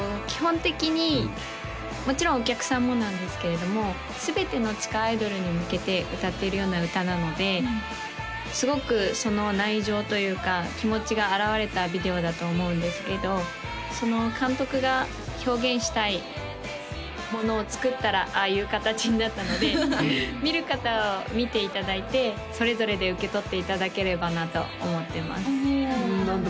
基本的にもちろんお客さんもなんですけれども全ての地下アイドルに向けて歌っているような歌なのですごくその内情というか気持ちが表れたビデオだと思うんですけど監督が表現したいものを作ったらああいう形になったので見る方は見ていただいてそれぞれで受け取っていただければなと思ってます